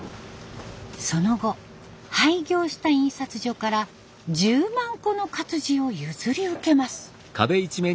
その後廃業した印刷所から１０万個の活字を譲り受けます。